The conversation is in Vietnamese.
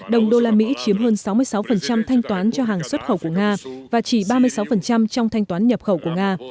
đồng đô la mỹ chiếm hơn sáu mươi sáu thanh toán cho hàng xuất khẩu của nga và chỉ ba mươi sáu trong thanh toán nhập khẩu của nga